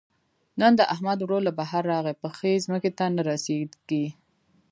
نن د احمد ورور له بهر راغی؛ پښې ځمکې ته نه رسېږي.